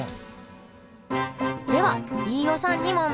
では飯尾さんに問題です！